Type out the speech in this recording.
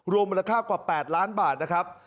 มูลค่ากว่า๘ล้านบาทนะครับ